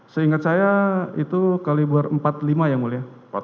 seingat saya itu kaliber empat puluh lima ya mulia